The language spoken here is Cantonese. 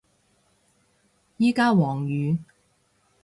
而家黃雨